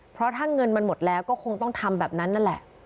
เพราะถ้าเงินมันหมดแล้วก็คงต้องทำแบบนั้นนั่นแหละ